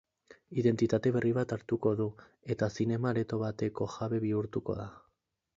Identitate berri bat hartuko du eta zinema-areto bateko jabe bihurtuko da.